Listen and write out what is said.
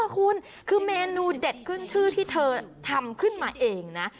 คุณคือเมนูเด็ดขึ้นชื่อที่เธอทำขึ้นมาเองนะ